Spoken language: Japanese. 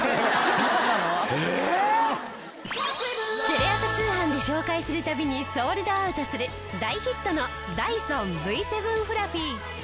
テレ朝通販で紹介する度にソールドアウトする大ヒットのダイソンＶ７フラフィ。